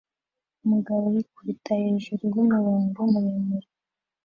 Umugabo yikubita hejuru yumurongo muremure